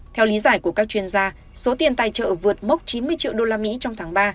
theo lý giải của các chuyên gia số tiền tài trợ vượt mốc chín mươi triệu đô la mỹ trong tháng ba